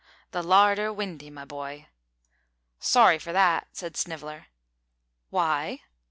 "The larder windy, my boy." "Sorry for that," said Sniveller. "Why?"